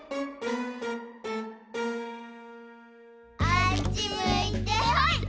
あっちむいてほい！